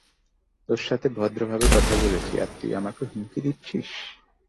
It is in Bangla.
তোর সাথে ভদ্রভাবে কথা বলছি আর তুই আমাকে হুমকি দিচ্ছিস?